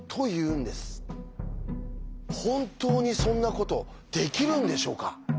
本当にそんなことできるんでしょうか？